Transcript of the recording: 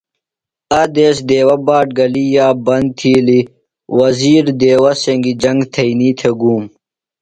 آ دیس دیوہ باٹ گلیۡ یاب بند تِھیلیۡ۔ وزیر دیوہ سنگیۡ جنگ تھئینی تھےۡ گُوم.